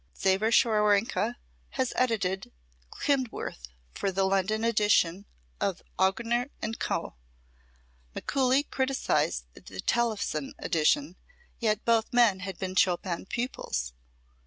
Xaver Scharwenka has edited Klindworth for the London edition of Augener & Co. Mikuli criticised the Tellefsen edition, yet both men had been Chopin pupils.